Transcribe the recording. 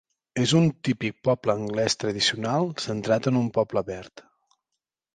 És un típic poble anglès tradicional, centrat en un poble verd.